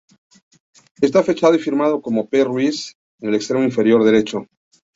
Está fechado y firmado como "P. Ruiz" en el extremo inferior derecho.